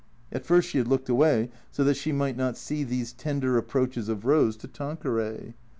At first she had looked away so that she might not see these tender approaches of Eose to Tanqueray.